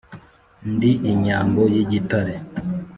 Ndi inyambo y’ igitare